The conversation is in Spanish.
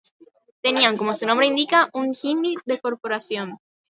Tenían, como su nombre indica, un gimmick de corporación.